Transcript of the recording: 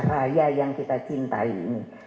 raya yang kita cintai ini